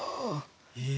へえ。